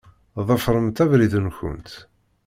Ḍefṛemt abrid-nkent.